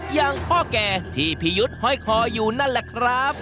อย่างพ่อแก่ที่พี่ยุทธ์ห้อยคออยู่นั่นแหละครับ